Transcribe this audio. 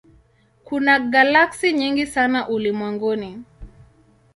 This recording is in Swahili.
Kuna galaksi nyingi sana ulimwenguni.